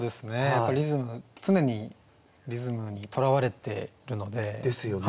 やっぱリズム常にリズムにとらわれているので。ですよね。